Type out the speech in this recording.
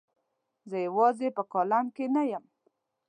زه یوازې په کالم کې نه یم.